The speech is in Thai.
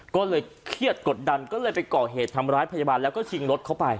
ก็เลยเครียดกดดันก็เลยไปก่อเหตุทำร้ายพยาบาลแล้วก็ชิงรถเข้าไป